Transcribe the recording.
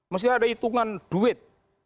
mesti ada hitungan duit